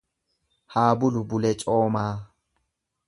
Haa bulu bule coomaa.